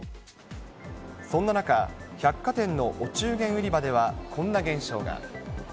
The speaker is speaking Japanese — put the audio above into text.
そんな中、百貨店のお中元売り場ではこんな現象が。